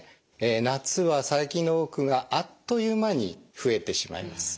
夏は細菌の多くがあっという間に増えてしまいます。